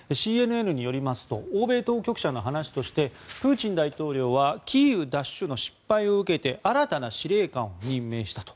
ＣＮＮによりますと欧米当局者の話としてプーチン大統領はキーウ奪取の失敗を受けて新たな司令官を任命したと。